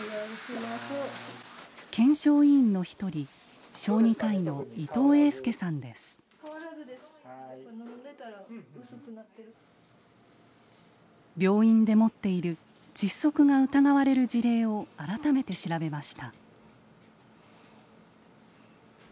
検証委員の一人病院で持っている窒息が疑われる事例を改めて調べました。